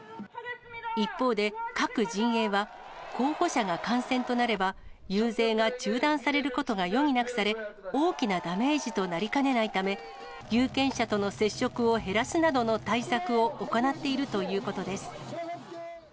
一方で各陣営は、候補者が感染となれば、遊説が中断されることが余儀なくされ、大きなダメージとなりかねないため、有権者との接触を減らすなどの対策を行っているということです。